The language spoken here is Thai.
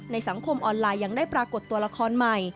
สังคมออนไลน์ยังได้ปรากฏตัวละครใหม่